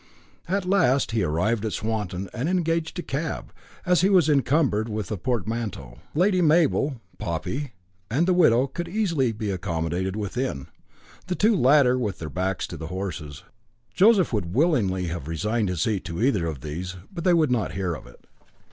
At last he arrived at Swanton and engaged a cab, as he was encumbered with a portmanteau. Lady Mabel, Poppy, and the widow could be easily accommodated within, the two latter with their backs to the horses. Joseph would willingly have resigned his seat to either of these, but they would not hear of it.